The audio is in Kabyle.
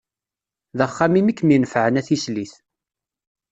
D axxam-im i kem-inefεen, a tislit.